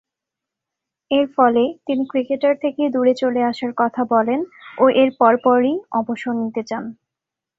এরফলে তিনি ক্রিকেটার থেকে দূরে চলে আসার কথা বলেন ও এর পরপরই অবসর নিতে চান।